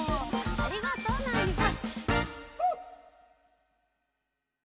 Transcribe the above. ありがとうナーニさん。